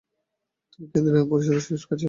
তিনি কেন্দ্রীয় আইন পরিষদের স্পিকার ছিলেন।